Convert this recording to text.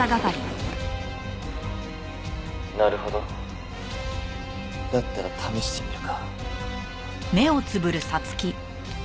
「なるほど」だったら試してみるか。